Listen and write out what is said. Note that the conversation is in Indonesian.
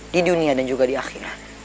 di dunia dan juga di akhirat